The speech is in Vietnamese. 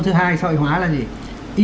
thứ hai xã hội hóa là gì